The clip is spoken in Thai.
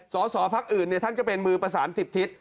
สอสอพักอื่นท่านก็เป็นมือประสาน๑๐ทิศ